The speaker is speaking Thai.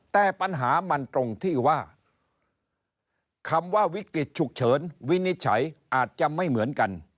แต่ปัญหามันตรงที่ว่าคำว่าวิกฤตฉุกเฉินวินิจฉัยอาจจะไม่เหมือนกัน